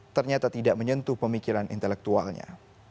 ternyata tidak menyentuh pemikiran intelektualnya